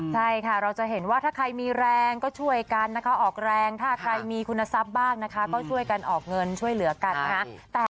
ใช่ค่ะเราจะเห็นว่าถ้าใครมีแรงก็ช่วยกันนะคะออกแรงถ้าใครมีคุณทรัพย์บ้างนะคะก็ช่วยกันออกเงินช่วยเหลือกันนะคะ